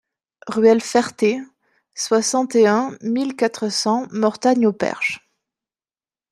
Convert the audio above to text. Ruelle Ferté, soixante et un mille quatre cents Mortagne-au-Perche